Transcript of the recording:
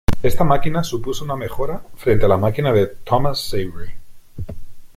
Esta máquina supuso una mejora frente a la máquina de Thomas Savery.